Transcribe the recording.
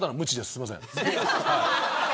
すいません。